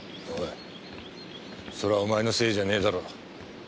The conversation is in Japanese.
おいそれはお前のせいじゃねえだろ。